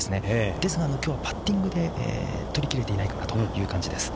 ですが、きょうパッティングで取り切れていないという感じです。